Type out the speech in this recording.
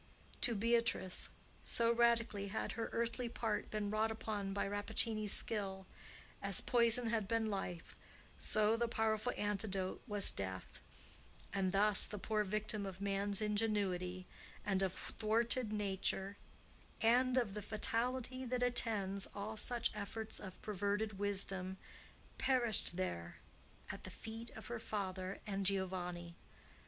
To Beatrice,—so radically had her earthly part been wrought upon by Rappaccini's skill,—as poison had been life, so the powerful antidote was death; and thus the poor victim of man's ingenuity and of thwarted nature, and of the fatality that attends all such efforts of perverted wisdom, perished there, at the feet of her father and Giovanni.